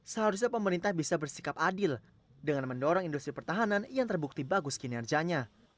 seharusnya pemerintah bisa bersikap adil dengan mendorong industri pertahanan yang terbukti bagus kinerjanya